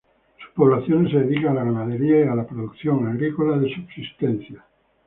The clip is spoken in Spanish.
Sus pobladores se dedican a la ganadería y a la producción agrícola de subsistencia.